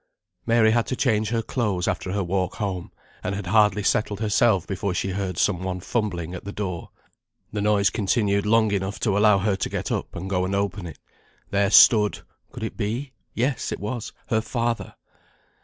Mary had to change her clothes after her walk home; and had hardly settled herself before she heard some one fumbling at the door. The noise continued long enough to allow her to get up, and go and open it. There stood could it be? yes it was, her father!